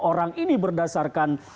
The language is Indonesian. orang ini berdasarkan